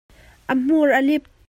A hmur a lip.